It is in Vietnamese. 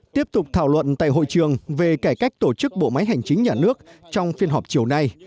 tiếp tục thảo luận tại hội trường về cải cách tổ chức bộ máy hành chính nhà nước trong phiên họp chiều nay